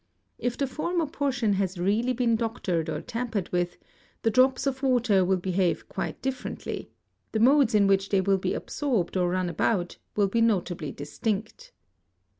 If the former portion has really been doctored or tampered with, the drops of water will behave quite differ | ently ; the modes in which they will be absorbed or run about, will be notably distinct.